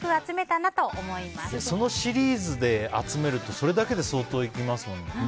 そのシリーズで集めるとそれだけで相当いきますもんね。